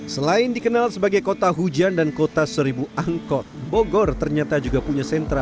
selain dikenal sebagai kota hujan dan kota seribu angkot bogor ternyata juga punya sentra